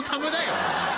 お前。